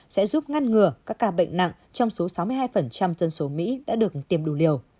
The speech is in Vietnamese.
sẽ giúp ngăn ngừa các ca bệnh nặng trong số sáu mươi hai dân số mỹ đã được tiêm đủ liều